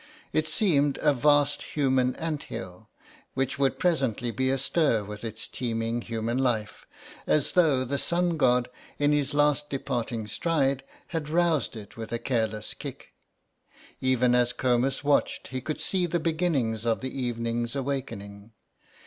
It seemed a vast human ant hill, which would presently be astir with its teeming human life, as though the Sun God in his last departing stride had roused it with a careless kick. Even as Comus watched he could see the beginnings of the evening's awakening.